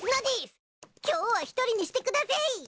今日は一人にしてくだせい！